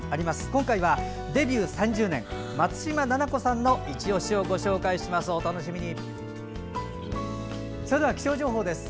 今回は、デビュー３０年松嶋菜々子さんのいちオシをご紹介します。